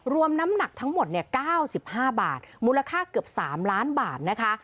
น้ำหนักทั้งหมด๙๕บาทมูลค่าเกือบ๓ล้านบาทนะคะ